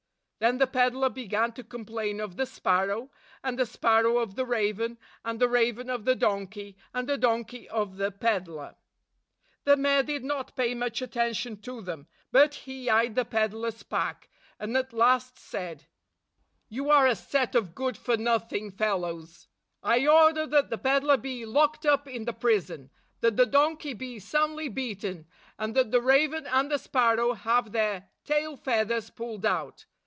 Then the peddler began to complain of the sparrow, and the sparrow of the raven, and the raven of the donkey, and the donkey of the peddler. The mayor did not pay much attention to 7 1 them; but he eyed the peddlers pack, and, at last, said, "You are a set of good for nothing fellows! I order that the peddler be locked up in the prison; that the donkey be soundly beaten ; and that the raven and the sparrow have their tail feathers pulled out.